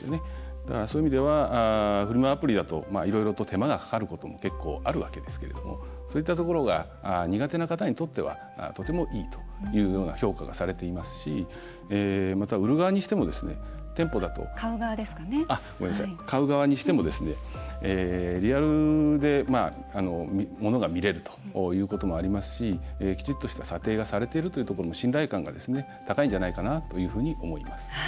だからそういう意味ではフリマアプリでもいろいろと手間がかかることも結構、あるわけですけれどもそういったところが苦手な方にとってはとてもいいという評価がされていますしまた、買う側にしてもリアルで、ものが見れるということもありますしきちっとした査定がされているということの信頼感が高いんじゃないかなというふうに思います。